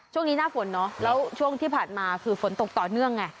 ช่วงนี้หน้าฝนเนอะแล้วช่วงที่ผ่านมาคือฝนตกต่อเนื่องไง